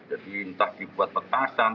jadi entah dibuat petasan